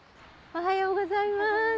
おはようございます。